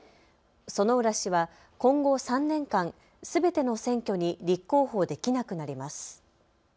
薗浦氏は今後３年間、すべての選挙に立候補できなくなります。